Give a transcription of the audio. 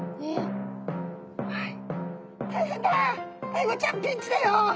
アイゴちゃんピンチだよ！